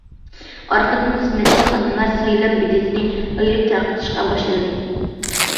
ئارقىدىن، خىزمەتچى خادىملار سايلام بېلىتىنى ئايرىپ تارقىتىشقا باشلىدى.